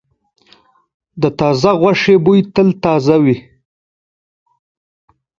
د تازه غوښې بوی تل تازه وي.